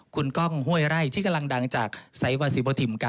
คุณก้องห้วยไร่ที่กำลังดังจากไซวันสิวทิม๙